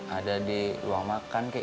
ada di ruang makan kayak